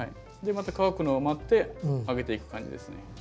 でまた乾くのを待ってあげていく感じですね。